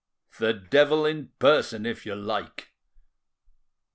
"The devil in person, if you like.